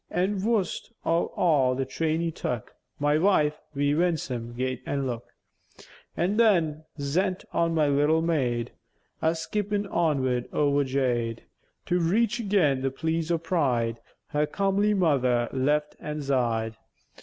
An' vu'st ov all the traïn he took My wife, wi' winsome gaït an' look; An' then zent on my little maïd, A skippèn onward, overjäy'd To reach ageän the pleäce o' pride, Her comely mother's left han' zide.